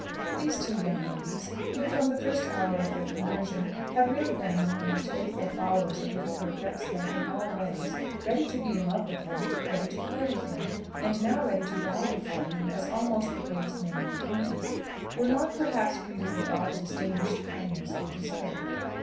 These two young ladies, who from the first hour of their conversion had really been among the most faithful followers of the Vicar of Wrexhill in all ways ready to be in love with him ready to pray with him and now ready to bow before him as almost the greatest man in the county, were not perhaps greeted with all the distinguished kindness they deserved.